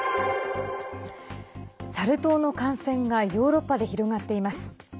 サル痘の感染がヨーロッパで広がっています。